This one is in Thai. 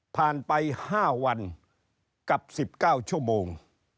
ผ่านไป๕วันกับ๑๙ชั่วโมง